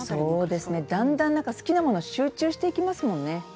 だんだん好きなものに集中していきますものね。